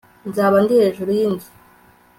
nzaba ndi hejuru y'inzu